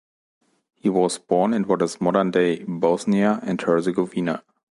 He was born in what is modern-day Bosnia and Herzegovina.